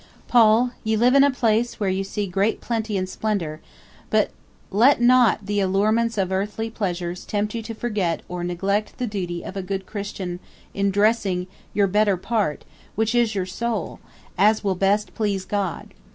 'Poll, you live in a place where you see great plenty & splendour but let not ye allurements of earthly pleasures tempt you to forget or neglect ye duty of a good Christian in dressing yr bettr part which is yr soule, as will best please God.